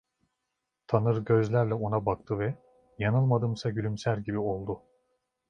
Tanır gözlerle ona baktı ve yanılmadımsa gülümser gibi oldu.